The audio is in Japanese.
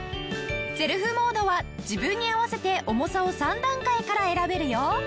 セルフモードは自分に合わせて重さを３段階から選べるよ。